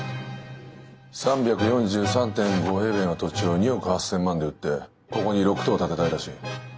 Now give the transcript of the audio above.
３４３．５平米の土地を２億８，０００万で売ってここに６棟建てたいらしい。